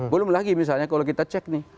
belum lagi misalnya kalau kita cek nih